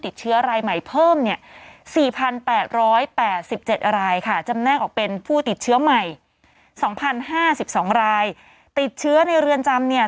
ติดเชื้อใหม่สองพันห้าสิบสองรายติดเชื้อในเรือนจำเนี่ย